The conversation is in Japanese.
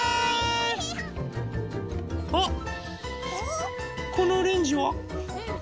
あっこのオレンジは？